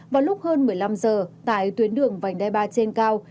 vào lúc hơn một mươi năm giờ tại tuyến đường vành đai ba trên cao